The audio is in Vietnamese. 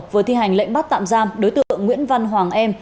vừa thi hành lệnh bắt tạm giam đối tượng nguyễn văn hoàng em